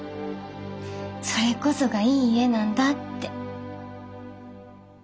それこそがいい家なんだって。